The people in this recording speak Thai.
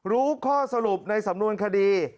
รู้ข้อสรุปในสำนวนคดี